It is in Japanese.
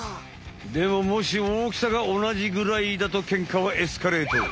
でももし大きさがおなじぐらいだとケンカはエスカレート！